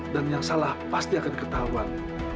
dan yang salah pasti akan ketahuan